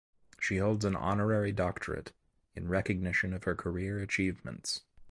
She holds an Honorary Doctorate in recognition of her career achievements.